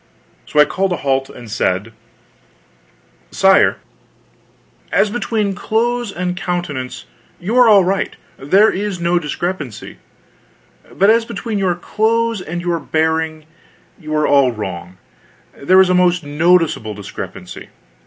So I called a halt and said: "Sire, as between clothes and countenance, you are all right, there is no discrepancy; but as between your clothes and your bearing, you are all wrong, there is a most noticeable discrepancy.